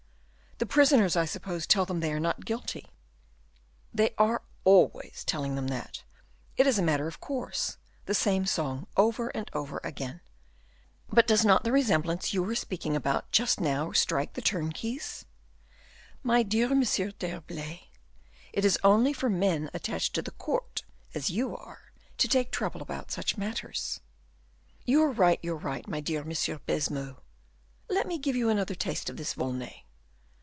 "The prisoners, I suppose, tell them they are not guilty?" "They are always telling them that; it is a matter of course; the same song over and over again." "But does not the resemblance you were speaking about just now strike the turnkeys?" "My dear M. d'Herblay, it is only for men attached to the court, as you are, to take trouble about such matters." "You're right, you're right, my dear M. Baisemeaux. Let me give you another taste of this Volnay."